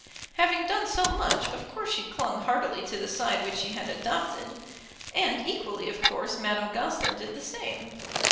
Having done so much, of course she clung heartily to the side which she had adopted; and, equally of course, Madame Goesler did the same.